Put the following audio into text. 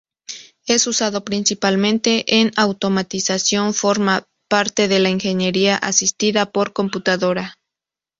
Es usado principalmente en automatización, forma parte de la ingeniería asistida por computadora.